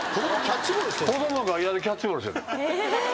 子供が外野でキャッチボールしてる。